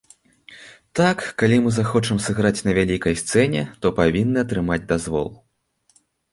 Так, калі мы захочам сыграць на вялікай сцэне, то павінны атрымаць дазвол.